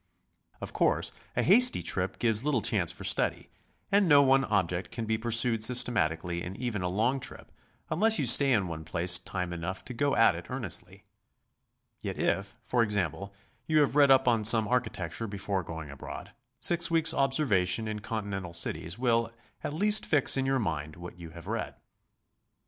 Of course, a hasty trip gives little chance for study, and no one object can be pursued systematically in even a long trip, unless you stay in one place time enough to go at it ✓' earnestly; yet if, for example, you have read up some on architecture before going abroad, six weeks' observation in Continental cities will at least fix in your mind what you have read.